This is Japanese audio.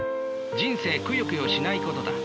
人生くよくよしないことだ。